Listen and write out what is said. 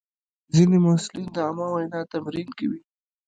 ځینې محصلین د عامه وینا تمرین کوي.